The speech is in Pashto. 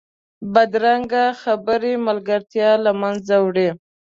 بدرنګه خبرې ملګرتیا له منځه وړي